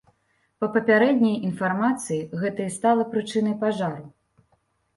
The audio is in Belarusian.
Па папярэдняй інфармацыі, гэта і стала прычынай пажару.